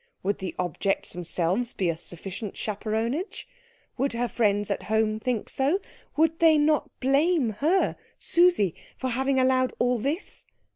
Would the objects themselves be a sufficient chaperonage? Would her friends at home think so? Would they not blame her, Susie, for having allowed all this?